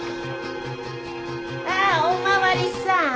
ああお巡りさん